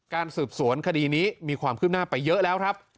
สืบสวนคดีนี้มีความคืบหน้าไปเยอะแล้วครับ